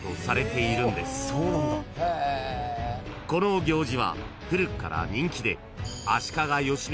［この行事は古くから人気で］